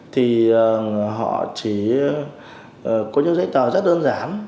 thì họ chỉ có những giấy tờ rất đơn giản